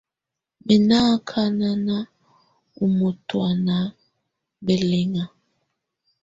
Mɛ nɔ ákaná á mɔtɔ̀ána bɛlɛŋa.